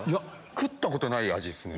食ったことない味っすね。